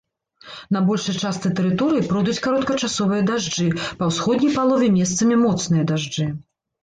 На большай частцы тэрыторыі пройдуць кароткачасовыя дажджы, па ўсходняй палове месцамі моцныя дажджы.